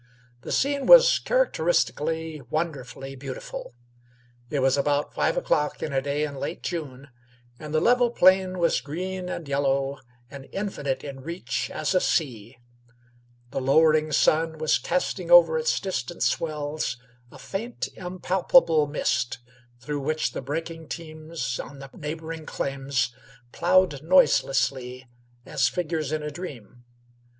The scene was characteristically, wonderfully beautiful. It was about five o'clock in a day in late June, and the level plain was green and yellow, and infinite in reach as a sea; the lowering sun was casting over its distant swells a faint impalpable mist, through which the breaking teams on the neighboring claims ploughed noiselessly, as figures in a dream.